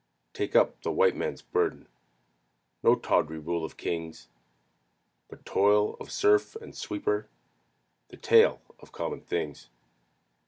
Take up the White Man's burden No tawdry rule of kings, But toil of serf and sweeper The tale of common things.